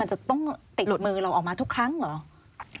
มันจะต้องติดหลุดมือเราออกมาทุกครั้งเหรอ